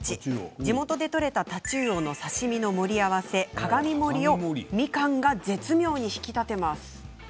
地元で取れた太刀魚の刺身の盛り合わせ鏡盛りをみかんが絶妙に引き立てます。